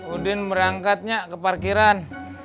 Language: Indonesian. udin berangkat nyak ke parkiran